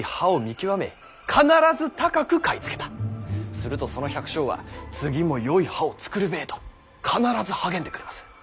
するとその百姓は「次もよい葉を作るべぇ」と必ず励んでくれます。